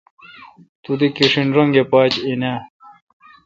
تو دی کیݭن رنگہ پاج این اؘ۔